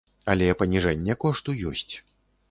Але паніжэнне кошту ёсць.